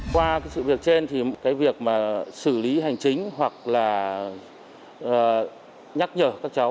qua sự việc trên việc xử lý hành chính hoặc nhắc nhở các cháu